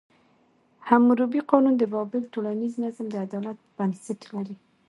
حموربي قانون د بابل ټولنیز نظم د عدالت په بنسټ لري.